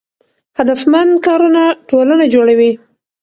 هدفمند کارونه ټولنه جوړوي.